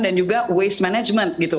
dan juga waste management gitu